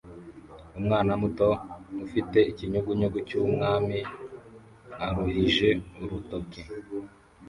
Umwana muto ufite ikinyugunyugu cyumwami aruhije urutoki